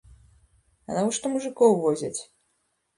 А навошта мужыкоў возяць?